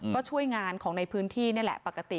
ก็ช่วยงานของในพื้นที่นี่แหละปกติ